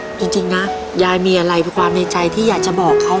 เอาจริงนะยายมีอะไรคือความในใจที่อยากจะบอกเขา